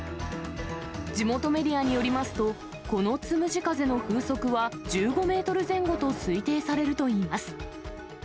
地元メディアによりますと、このつむじ風の風速は１５メートル前後と推定されるといいます。